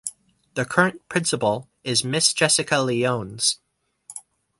The current principal is Miss Jessica Lyons.